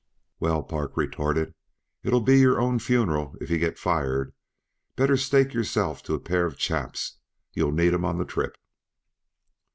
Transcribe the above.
"Well," Park retorted, "it'll be your own funeral if yuh get fired. Better stake yourself to a pair uh chaps; you'll need 'em on the trip."